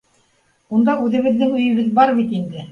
Унда үҙебеҙҙең өйөбөҙ бар бит инде.